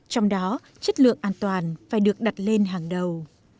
trong đó chất lượng an toàn phải được đặt lên hàng đầu